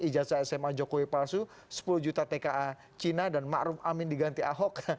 ijazah sma jokowi palsu sepuluh juta tka cina dan ma'ruf amin diganti ahok